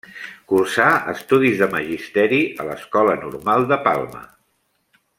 Cursà estudis de magisteri a l’Escola Normal de Palma.